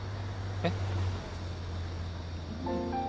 えっ？